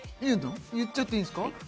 言っちゃっていいんですか。